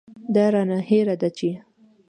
دا رانه هېره ده چې.